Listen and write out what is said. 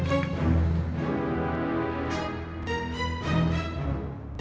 gue bisa beli belah preocupy